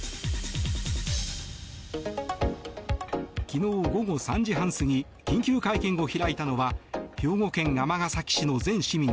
昨日午後３時半過ぎ緊急会見を開いたのは兵庫県尼崎市の全市民